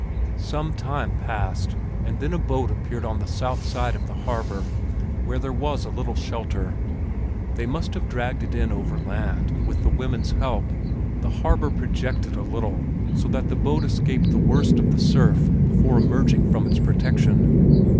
Some time passed, and then a boat appeared on the south side of the harbor, where there was a little shelter. They must have dragged it in over land with the women's help. The harbor projected a little, so that the boat escaped the worst of the surf before emerging from its protection.